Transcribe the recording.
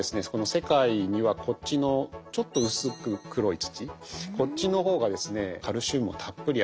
世界にはこっちのちょっと薄く黒い土こっちの方がですねカルシウムもたっぷりある。